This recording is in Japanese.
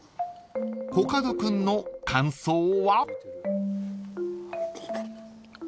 ［コカド君の感想は？］